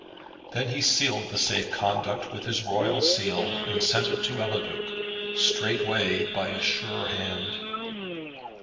Then he sealed the safe conduct with his royal seal, and sent it to Eliduc, straightway, by a sure hand.